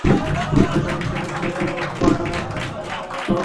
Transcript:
এলাকাবাসী সূত্রে জানা গেছে, মলয় কুমার সাহার দোকান থেকে অগ্নিকাণ্ডের সূত্রপাত হয়।